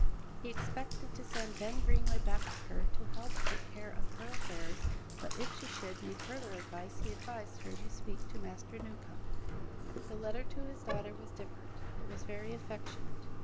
He expected to send Ben Greenway back to her to help take care of her affairs, but if she should need further advice he advised her to speak to Master Newcombe. The letter to his daughter was different; it was very affectionate.